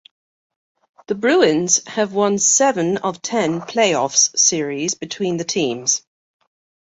The Bruins have won seven of ten playoffs series between the teams.